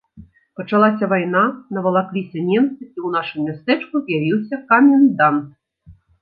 Пачалася вайна, навалакліся немцы, і ў нашым мястэчку з'явіўся камендант.